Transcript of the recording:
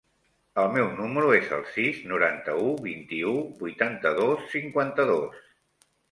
El meu número es el sis, noranta-u, vint-i-u, vuitanta-dos, cinquanta-dos.